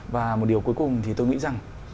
và một điều cuối cùng thì tôi nghĩ rằng